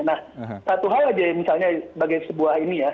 nah satu hal aja misalnya bagai sebuah ini ya